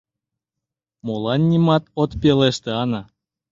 Молан нимат от пелеште, Ана?